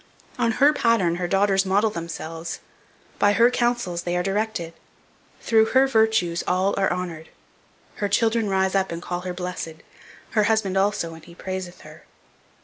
On her pattern her daughters model themselves; by her counsels they are directed; through her virtues all are honoured; "her children rise up and call her blessed; her husband, also, and he praiseth her."